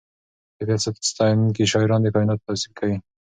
طبیعت ستایونکي شاعران د کائناتو توصیف کوي.